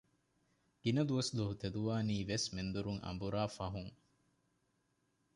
ގިނަ ދުވަސްދުވަހު ތެދުވާނީވެސް މެންދުރުން އަނބުރާ ފަހުން